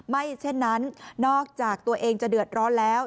เช่นนั้นนอกจากตัวเองจะเดือดร้อนแล้ว